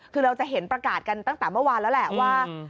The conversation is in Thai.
คือเราจะเห็นประกาศกันตั้งแต่เมื่อวานแล้วแหละว่า